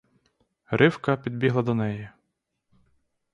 Ривка підбігла до неї.